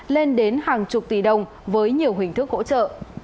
lên đến hàng chục tỷ đồng với nhiều hình thức hỗ trợ